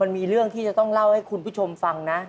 มีเรื่องที่จะต้องเล่าให้คุณผู้ชมฟังนะ